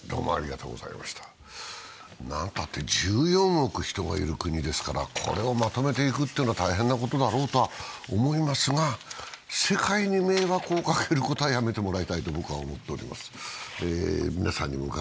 なんたって１４億人がいる国ですからこれをまとめていくっていうのは大変なことだろうとは思いますが、世界に迷惑をかけることはやめてもらいたいと僕は思っています。